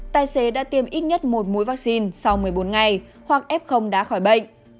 tài xế đã tiêm ít nhất một mũi vaccine sau một mươi bốn ngày hoặc f đã khỏi bệnh